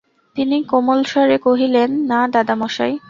তিনি কোমল স্বরে কহিলেন, না দাদামহাশয়।